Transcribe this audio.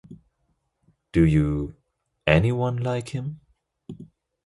Do you anyone like him?